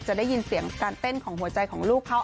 จะได้ยินเสียงการเต้นของหัวใจของลูกเขา